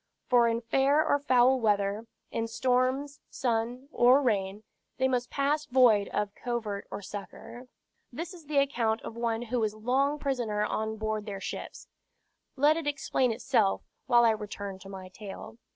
For in fair or foul weather, in storms, sun, or rain, they must pass void of covert or succor." This is the account of one who was long prisoner on board their ships; let it explain itself, while I return to my tale.